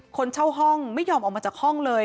คนเช่าห้องไม่ยอมออกมาจากห้องเลย